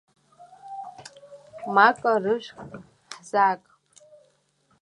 Мака, рыжәтәк ҳзааг.